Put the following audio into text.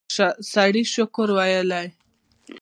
سړی شکر ویلی.